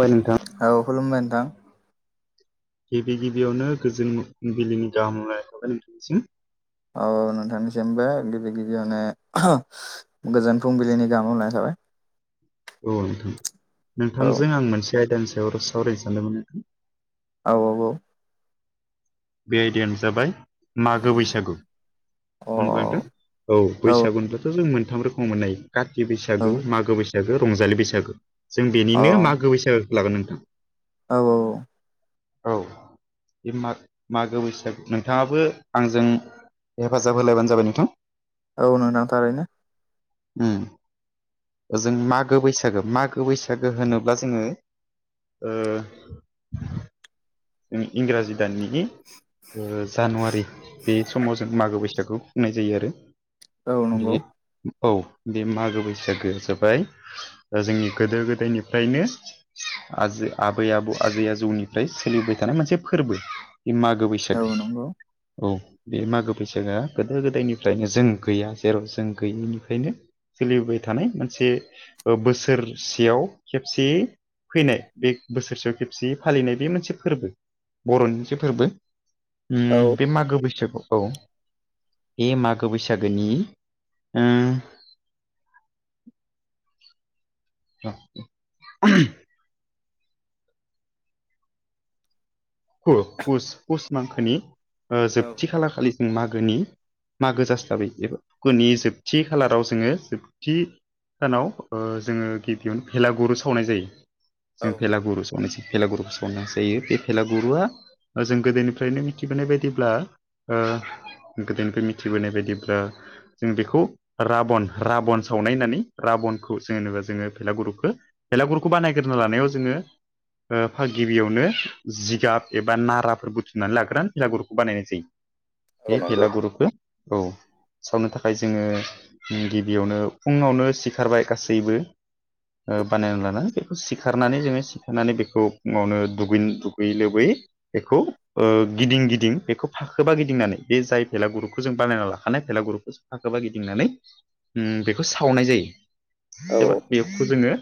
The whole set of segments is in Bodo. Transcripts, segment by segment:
बाय नोंथां। औ खुलुमबाय नोंथां। गिबि गिबियावनो गोजोन फुंबिलिनि गाहाम हामग्लायनाय थाबाय नोंथांनिसिम। औ नोंथांनिसिमबो गिबि गिबियावनोे गोजोन फुंबिलिनि गाहाम हामग्लायनाय थाबाय। औ नोंथां औ नोंथांजों आं मोनसे आयदानि सायाव सावरायनो सानदोंमोन नोंथां। औ औ औ बे आयदायानो जाबाय मागो बैसागु औ होनबाय नोंथां औ बैसागु होनब्लाथ' जों मोनथाम रोखोमाव मोननो हायो काति औ बैसागो मागो बैसागो रंजालि बैसागो। जों बेनिनो मागो बैसागुखौ लागोन नोंथां। औ औ औ बे मा मागो बैसागु नोंथाङाबो आंजों हेफाजाब होलायबानो जाबाय नोंथां। औ नोंथां थारैनो। ओम। ओ जों मागो बैसागु मागो बैसागु होनोब्ला जोङो ओ इंराजि दाननि जानुवारि बे समाव जों मागो बैसागु होननाय जायो आरो औ नंगौ बे औ बे मागो बैसागुआ जाबाय जोंनि गोदो गोदायनिफ्रायनो आजै आबै आबौ आजै आजौनिफ्राय सोलिबो थानाय मोनसे फोरबो बे मागो औ बैसागु नंगौ औ बे मागो बैसागुआ गोदो गोदायनिफ्रायनो जों गैया जेराव जों गैयैनिफ्रायनो सोलिबोबाय थानाय मोनसे बोसोरसेयाव खेबसे फैनाय बे बोसोरसेयाव खेबसेयै फालिनाय बे मोनसे फोरबो बर'नि जे फोरबो औ ओम बे मागो बैसागु औ बे मागो बैसागुनि ओ [unintelligible] पुस मांखोनि औ जोबथि खालार खालिजों मागोनि मागो जास्लाबै एबा गुनि जोबथि खालाराव जोङो जोबथि सानाव ओ जोङो गिबियावनो भेलागुरु सावनाय जायो। जों औ भेलागुरु सावनो भेलागुरुखौ सावनाय जायो बे भेलागुर बर'आ जों गोदोनिफ्रायनो मिथिबोनाय बायदिब्ला ओ गोदोनिफ्राय मिथिबोनाय बायदिब्ला जों बेखौ राबन राबन सावनाय होननानै राबनखौ जोनेबा जोङो भेलागुरुखौ बेलागुरखौ बानायग्रोनो लानायाव जोङो गिबियावनो जिगाब एबा नाराफोर बुथुमनानै लाग्रान हिलागुरुखौ बानायनाय जायो। बे औ नंगौ भेलागुरुखौ औ सावनो थाखाय जोंङो गिबियावनो फुंङावनो सिखारबाय गासैबो बानायना लाना बेखौ सिखारनानै जोंङो सिखारनानै बेखौ मावनो दुगैनो लोबै लोबै बेखौ ओ गिदिं गिदिं बेखौ फाखोबा गिदिंनानै बे जाय भेलागुरखौ जों बानायना लाखानाय भेलागुरुपखौ फाखोबा गिदिंनानै बेखौ सावनाय जायो औ एबा बेखौ जोङो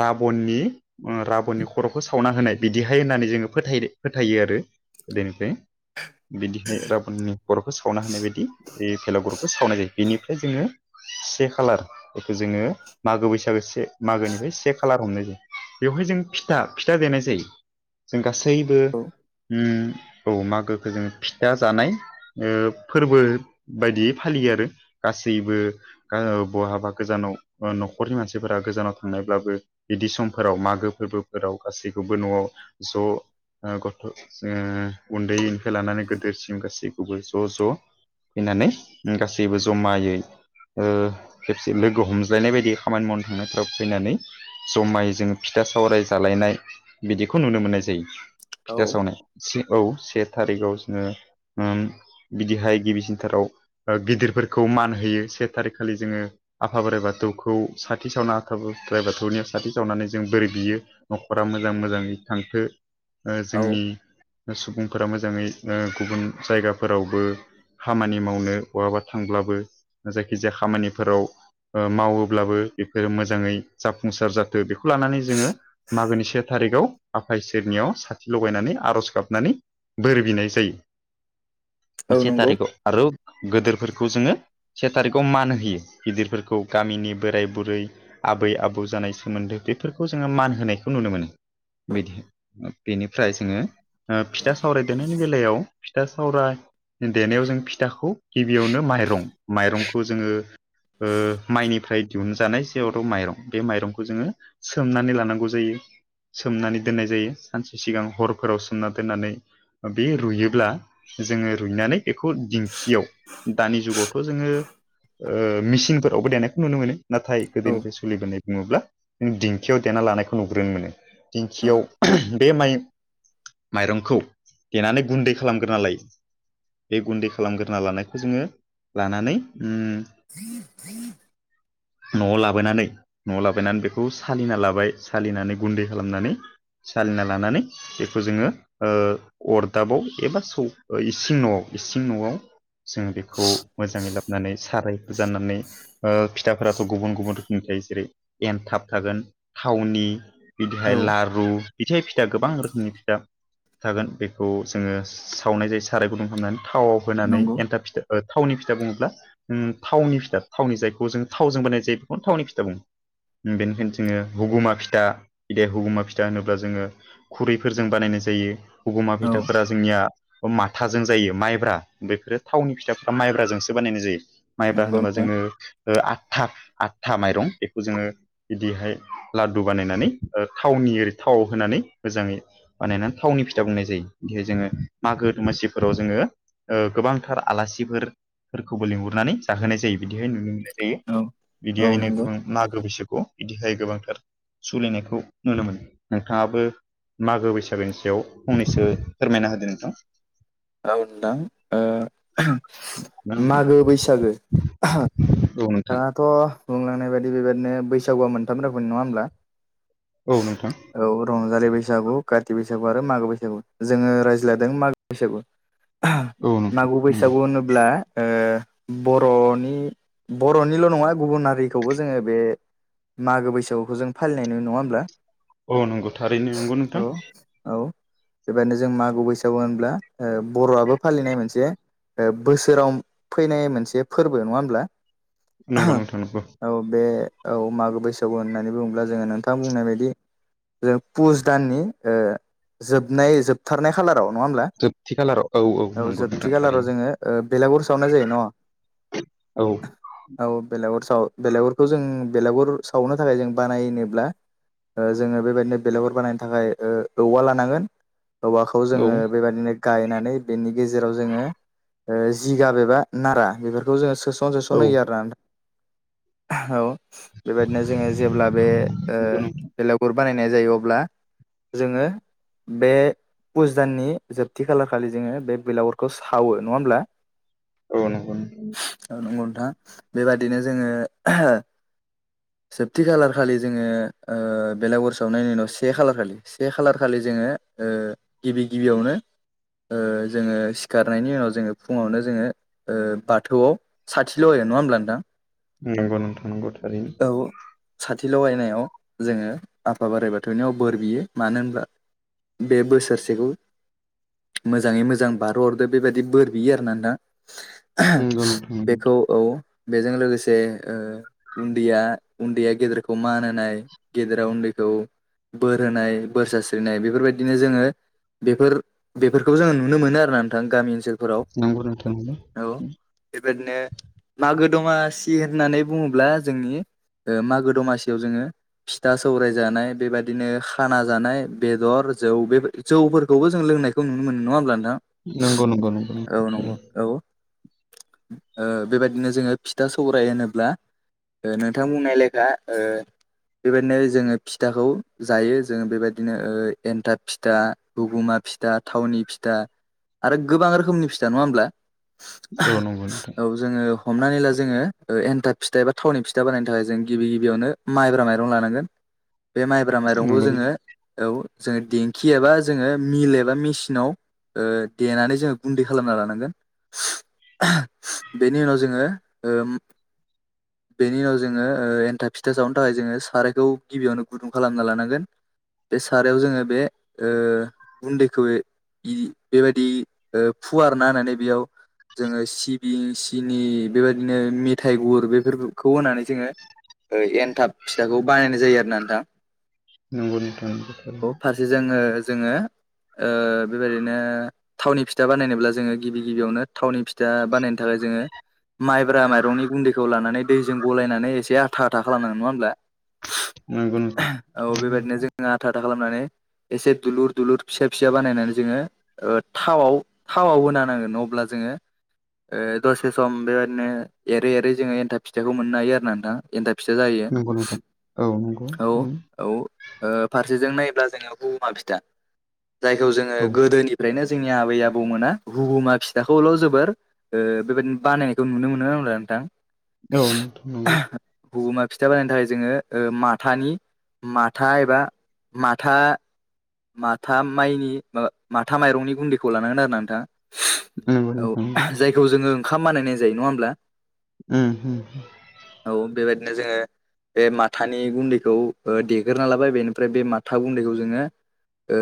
राबननि राबननि खर'खौ सावना होनाय बिदिहाय होननानै जोंङो फोथाय फोथायो आरो गोदोनिफ्राय बिदिहाय राबननि खर'खौ सावना होनाय बायदि बे भेलागरखौ सावनाय जायो। बेनिफ्राय जोंङो से खालार बेखौ जोंङो मागो बैसागो से मागोनिफ्राय से खालार हमनाय जायो। बेवहाय जों फिथा फिथा देनाय जायो। जों गासैबो औ ओम औ मागोखौ जों फिथा जानाय ओ फोरबो बायदियै फालियो आरो गासैबो ओ बहाबा गोजानाव न'खरनि मानसिफोरा गोजानाव थांनायब्लाबो बिदि समफोराव मागो फोरबोफोराव गासैखौबो न'आव ज' गथ' ओ उन्दैनिफ्राय लानानै गोदेरसिम गासैखौबो ज' ज' फैनानै गासैबो जमायै ओ खेबसे लोगो हमज्लायनाय बायदियै खामानि मावनो थांनायफ्राब फैनानै जमायै जोंङो फिथा सावराय जालायनाय बिदिखौ नुनो मोननाय जायो। औ फिथा सावनाय औ से थारिखाव जोंङो बिदिहाय गिबिसिनथाराव गिदिरफोरखौ मान होयो से थारिखखालि जोंङो आफा बोराइ बाथौखौ साथि सावना आफा बोराइ बाथौनियाव साथि सावनानै जों बोर बियो। न'खरा मोजां मोजाङै थांथो जोंनि औ सुबुंफोरा मोजांङै गुबुन जायगाफोरावबो खामानि मावनो बहाबा थांब्लाबो जायखि जाया खामानिफोराव मावोब्लाबो बेफोरो मोजाङै जाफुंसार जाथो बेखौ लानानै जोंङो मागोनि से थारिगआव आफा इसोरनियाव साथि लगायनानै आर'ज गाबनानै बोर बिनाय जायो। से नंगौ थारिखआव आरो गोदोरफोरखौ जोंङो से थारिखआव मान होयो गिदिरफोरखौ गामिनि बोराय बुरै आबै आबौ जानाय सोमोन्दो बेफोरखौ जोंङो मान होनायखौ नुनो मोनो। बिदि बेनिफ्राय जोंङो फिथा सावराय देरनायनि बेलायाव फिथा सावरा देनायाव जों फिथाखौ गिबियावनो माइरं माइरंखौ जोंङो ओ माइनिफ्राय दिहुनजानाय जेहर' माइरं बे माइरंखौ जोंङो सोमनानै लानांगौ जायो सोमनानै दोननाय जायो। सानसे सिगां हरफोराव सोमना दोननानै बे रुयोब्ला जोंङो रुइनानै बेखौ दिंखियाव दानि जुगावथ' जोंङो ओ मेसिनफोरावबो देनायखौ नुनो मोनो। नाथाय औ गोदोनिफ्राय सोलिबोनाय बुंङोब्ला नों दिंखियाव देना लानायखौ नुग्रोनो मोनो। दिंखियाव बे माइ माइरंखौ देनानै गुन्दै खालामग्रोना लायो। बे गुन्दै खालामग्रोना लानायखौ जोंङो लानानै ओम [inaudible] न'आव लाबोनानै न'आव लाबोनानै बेखौ सालिना लाबाय सालिनानै गुन्दै खालामनानै सालिना लानानै बेखौ जोंङो ओ अरदाबाव एबा सौ इसिं न'आव इसिं न'आव जों बेखौ मोजांङै लाबोनानै साराय जाननानै ओ फिथाफोराथ' गुबुन गुबुन रोखोमनि थायो जेरै एन्थाब थागोन थावनि बिदिहाय लारु बिथाइ फिथा गोबां रोखोमनि फिथा थागोन बेखौ जोङो सावनाय जायो साराय गुदुं खालामनानै थावाव होनानै नंगौ एन्थाब फिथा थावनि फिथा बुङोब्ला थावनि फिथा थावनि जायखौ जों थावजों बानायनाय जायो बेखौनो थावनि फिथा बुङो। बेनिखायनो जोङो हगुमा फिथा बिदि हगुमा फिथा होनोब्ला जोङो खुरैफोरजों बानायनाय जायो हगमा औ फैथाफोरा जोंनिया माथाजों जायो माइब्रा बेफोरो थावनि फिथाफ्रा माइब्राजोंसो बानायनाय जायो। माइब्रा नंगौ होनोबा नोंथां जोङो ओ आदथा, आदथा माइरं बेखौ जोङो बिदिहाय लाद्दु बानायनानै ओ थावनि ओ थाव होनानै मोजाङै बानायनानै थावनि फिथा बुंनाय जायो। खि जोङो मागो-दमासिफोराव जोङो ओ गोबांथार आलासिफोर-फोरखौबो लिंहरनानै जाहोनाय जायो, बिदिहाय नुनो मोनो। जायो औ औ बिदिहायनो नंगौ गोबां मागो बैसागुआव बिदिहाय गोबांथार सलिनायखौ नुनो मोनो। नोंथाङाबो मागो-बैसागोनि सायाव फंनैसो फोरमायना होदो नोंथां। औ नोंथां ना ओ नोंथां मागो-बैसागो थ' बुंलांनाय बायदि बेबायाददिनो बैसागुआ मोनथाम रोखोमनि। नङा होमब्ला? औ, नोंथां। औ रंजालि बैसागु, काति बैसागु आरो मागो बैसागु। जोङो रायज्लायदों मागो बैसागु। औ नोंथां औ नोंथां मागो नंगौ बैसागु होनोब्ला ओ बर'नि बर'निल' नङा गुबुन हारिखौबो जोङो बे मागो बैसागुखौ जों फालिनाय नुयो। नङा होमब्ला? औ, नंगौ थारैनो नंगौ नोंथां। औ औ बेबायादनो जों मागो बैसागु होनब्ला ओ बर'आबो फालिनाय मोनसे ओ बोसोराव फैनाय मोनसे फोरबो। नङा होमब्ला? नंगौ नोंथां नंगौ। औ बे औ मागो बैसागु होननानै बुङोब्ला जोङो नोंथां बुंनाय बायदि जों पुस दाननि ओ जोबनाय, जोबथारनाय खालाराव नङा होमब्ला? जोबथि खालाराव औ औ नंगौ जोबथि नोंथां खालाराव जोङो ओ बेलागुर सावनाय जायो न' थारैनो औ औ बेलागुर साव बेलागुरखौ जों बेलागुर सावनो थाखाय जों बानायनोब्ला ओ जोङो बेबायदिनो बेलाेगुर बानायनो थाखाय ओ औवा लानांगोन, औवाखौ औ जोङो बेबायदिनो गायनानै बेनि गेजेराव जोङो ओ जिगाब एबा नारा बेफोरखौ जोङो सोस' न सोसस औ होयो आरो ना औ बेबायदिनो जोङो जेब्ला बे ओ नंगौ नोंथां बेलागुर बानायनाय जायो अब्ला जोङो बे फुस दाननि जोब थि खालार खालि जोङो बे बेलागुरखौ सावो। नङा होमब्ला? औ नंगौ औ नंगौ नोंथां‌ बेबादिनो जोङो जोबथि खालार खालि जोङो ओ बेलागुर सावनायनि उनाव से खालार खालि से खालार खालि जोङो ओ गिबि गिबियावनो ओ जोङो सिखारनायनि उनाव जोङो फुङावनो जोङो ओ बाथौआव साथिल' होयो। नङा होमब्ला नोंथां? नांगौ नोंथां नंगौ थारैनो। औ साथि ल'गायनायाव जोङो आफा बोराइ बाथौनिाव बोर बियो मानो होनब्ला बे बोसोरसेखौ मोजाङै मोजां बारहो‌ हरदो बेबायदि बोर बियो आरो ना नोंथां। नंगौ नोंथां बेखौ औ बेजों लोगोसे ओ उन्दैया-उन्दैया गेदेरखौ मान होनाय गेदेरा उन्दैखौ बोर होनाय बोर सास्रिनाय बेफोरबायदिनो जोङो बेफोर बेफोरखौ जोङो नुनो मोनो ना नोंथां गामि ओनसोलफोराव नोंगौ नोंथां औ बेबायदिनो मागो दमासि होननानै बुङोब्ला जोंनि ओ मागो दमासियाव जोङो फिथा-सौराय जानाय बेबायदिनो खाना जानाय, बेदर, जौ बेबादि जौफोरखौबो जों लोंनाय खौ नुनो मोनो। नङा होमब्ला नोंथां? नंगौ नंगौ नंगौ औ नंगौ औ ओ बेबायदिनो जोङो फिथा-सौराय होनोब्ला ओ नोंथां बुंनाय लेखा ओ बेबायदिनो जोङो फिथाखौ जायो जोङो बेबायदिनो एन्थाब फिथा बुगुमा फिथा फिथा थावनि फिथा आरो गोबां रोखोमनि फिथा नङा होमब्ला औ नंगौ नोंथां औ जोङो हमनानै ला जोङो एन्थाब फिथा एबा थावनि फिथा बानायनो थाखाय जों गिबि गिबियावनो माइब्रा माइरं लानांगोन [inaudible] बे माइब्रा माइरंखौ नंगौ जोङो औ जोङो देंखि एबा जोङो मिल एबा बा मेसिनाव देनानै जोङो गुन्दै खालामना लानांगोन बेनि उनाव जोङो [inaudible] बेनि उनाव जोङो ओ एन्था फिथा सावनो थाखाय जोङो सारायखौ गिबियावनो गुदुं खालामना लानांगोन बे सारायाव जोङो बे ओ गुन्दैखौ बेबायदि फुवारना होननानै बेयाव जोङो सि बिसिनि बेबायदिनो मेथाइ गुर बेफोरखौ होनानै जोङो एनथाब फिथाखौ बानायनाय जायो आरो ना नोंथां नंगौनि दान बोथा फारसे जोङो जोङो ओ बेबायदिनो थावनि फिथा बानायनोब्ला जोङो गिबि गिबियावनो थावनि फिथा बानायनो थाखाय जोङो माइब्रा माइरंनि गुन्दैखौ लानानै दैजों गलायनानै एसे आथा आथा खालामनांगोन नङा नंगौ नोंथां होमब्ला औ बेबायदिनो जोङ आथा आथा खालामनानै एसे दुलुर दुलुर फिसा फिसा बानायनानै जोङो थाव थावाव होना नांगोन न अब्ला जोङो ओ दसे सम बेबायदिनो एरै एरै जोङो एन्थाब फिथाइखौ मोननो हायो आरो ना नोंथां। एन्थाब फिथा जायो नंगौ नोंथां औ नंगौ औ थारैनो, औ फारसेजों नाय्ला जों बमा फिथा जायखौ जोङो औ गोदोनिफ्रायनो जोंनि आबै आबौमोना हुगुमा फिथाखौल' जोबोर बेबायदिनो बानायनायखौ नुनो मोनो नंला नोंथां औ नंथौ नंगौ। हगुमा फिथा बानायनो थाखाय जोङो माथानि माथा एबा माथा थाम माइनि ओ माथा माइरंनि गुन्दैखौ लानांगोन आरो नोंथाङा नंगौ औ नोंथां नंगौ जाय बेखौ जोङो ओंखाम बानायनाय जायो नङा होनोमब्ला उम औ बेबायदिनो जोङो बे माथानि गुन्दैखौ देग्रना लाबाय बेनिफ्राय बे माथा गुन्दैखौ जोङो ओ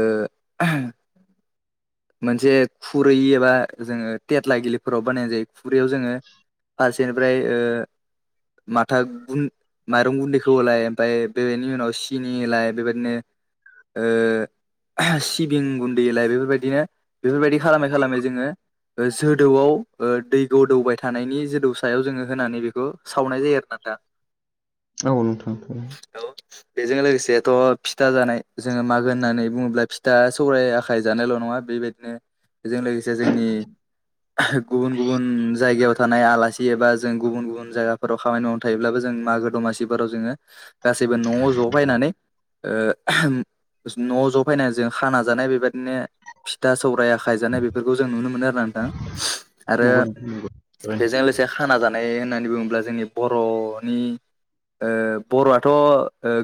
[inaudible] मोनसे खुरै एबा जोङो थेथ्ला गिलिफोराव बानायनाय जायो खुरैयाव जोङो फारसेनिफ्राय ओ माथा गुन माइरं गुन्दैखौ होलाय ओमफ्राय बेनि उनाव सिनि होलाय बेबायदिनो सिबिं गुन्दैलाय बेफोरबायदिनो बेफोरबायदि खालामै खालामै जोङो जोदौआव ओ दै गोदौबाय थानायनि जोदौ सायाव जोङो होनानै बेखौ सावनाय जायो आरो ना दा औ नोंथां औ बेजों लोगोसेथ' फिथा जानाय जोंङो मागो होननानै बुङोब्ला फिथा सौराय आखाइ जानायल' नङा बेबायदिनो बेजों लोगोसे जोंनि गुबुन गुबुन जायगायाव थानाय आलासि एबा जों गुबुन गुबुन जायगाफोराव खामानि मावनो थायोब्लाबो जों मागो दमासिफोराव जोंङो गासैबो न'आव ज' फैनानै न' ज' फायनानै जों खाना जानाय बेबायादिनो फिथा सौराय आखायजानाय बेफोरखौ जों नुनो मोनो आरो ना नोंथां आरो नंगौ नोंथां नंगौ थारैनो, बेजों लोगोसे खाना जानाय होननानै बुङोब्ला जोंनि बर'नि ओ बर'आथ'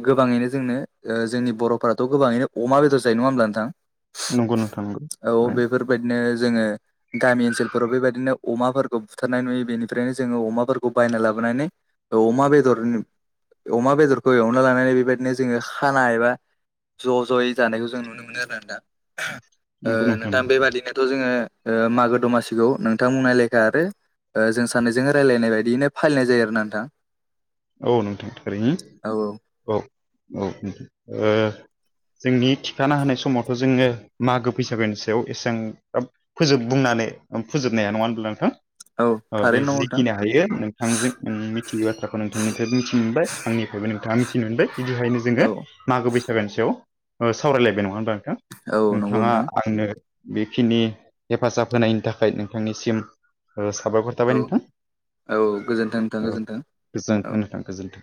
गोबाङैनो जोंनो जोंनि बर'फोराथ' गोबाङैनो अमा बेदर जायो नङा होमब्ला नोथां नंगौ नोंथां नंगौ औ थारैनो, बेफोरबायदिनो जोङो गामि ओनसोलफोराव बेबायदिनो अमाफोरखौ बुथारनाय नुयो बेनिफ्रायनो जोंङो अमाफोरखौ बायना लाबोनानै औ अमा बेदर अमा बेदरखौ एवना लानानै बेबायदिनो जोंङो खाना एबा ज' ज'यै जानायखौ जों नुनो मोनो आरो ना नंगौ नोंथां नोंथां नंगौ, बेबादिनोथ' जोंङो ओ मागो दमासिखौ नोंथांबुंनाय लेखा आरो ओ जों सानैजों रायलायनाय बायदियैनो फालिनाय जायो आरो ना नोंथां। औ नोंथां थारैनो औ औ औ नोथां ओ जोंनि थिखाना होनाय समावथ' जोंङो मागो फैसागोनि सायाव एसां फोजोब बुंनानै फोजोबनो हा नङा होनब्ला नोंथां औ ओ बे थारैनो नंगौ नोंथां जिखिनि हायो आंजों नों मिथियि बाथ्राखौ नोंथांनिफ्रायबो मिथिनो मोनबाय आंनिफ्रायबो नोंथाङा मिथिनो मोनबाय बिनिहायनो जोंङो औ मागो बैसागोनि सायाव सावरायलायबाय नङा होनबा नोंथां औ नंगौ नोंथाङा नोंथां आंनो बेखिनि हेफाजाब होनायनि थाखाय नोंथांनिसिम साबायखर। थाबाय औ नोंथां औ गोजोन्थों नोंथां औ गोजोन्थों औ गोजोनथों नोंथां गोजोनथों